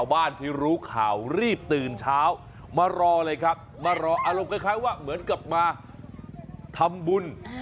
มืออะไรครับมารออารมณ์คล้ายว่าเหมือนกับมาทำบุญ